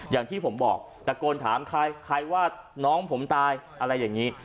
อย่างที่ผมบอกตะโกนถามใครใครว่าน้องผมตายอะไรอย่างนี้